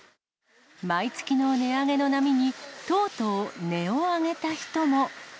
毎月の値上げの波に、とうとう音を上げた人も。